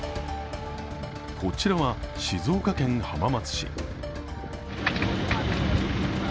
こちらは静岡県浜松市。